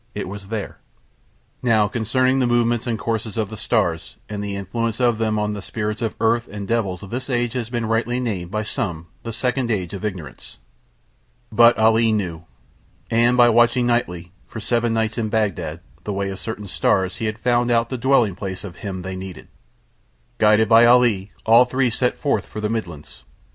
It was there. Now concerning the movements and courses of the stars and the influence on them of spirits of Earth and devils this age has been rightly named by some The Second Age of Ignorance. But Ali knew. And by watching nightly, for seven nights in Bagdad, the way of certain stars he had found out the dwelling place of Him they Needed. Guided by Ali all three set forth for the Midlands.